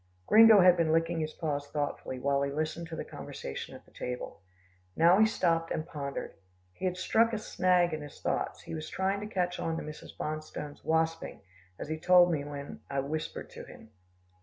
Gringo had been licking his paw thoughtfully, while he listened to the conversation at the table. Now he stopped, and pondered. He had struck a snag in his thoughts. He was trying to catch on to Mrs. Bonstone's wasping, as he told me when I whispered to him.